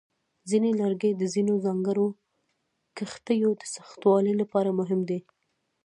ځینې لرګي د ځینو ځانګړو کښتیو د سختوالي لپاره مهم دي.